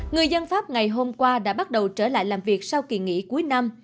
người dân pháp ngày hôm qua đã bắt đầu trở lại làm việc sau kỳ nghỉ cuối năm